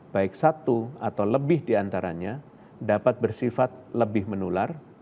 baik satu atau lebih diantaranya dapat bersifat lebih menular